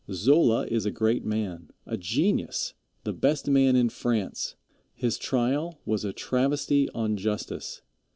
Zola is a great man, a genius, the best man in France. His trial was a travesty on justice.